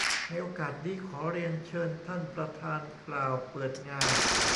ในโอกาสนี้ ขอเรียนเชิญท่านประธานกล่าวเปิดงาน